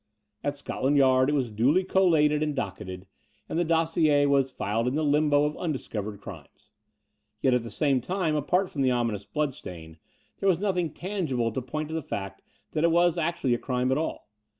At Scotland Yard it was duly collated and docketed: and the dossier was filed in the limbo of undiscovered crimes. Yet at the same time, apart from the ominous bloodstain, there was nothing tangible to point to the fact that it was actually a crime at all.